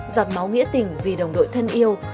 giọt máu nghĩa tình vì đồng đội thân yêu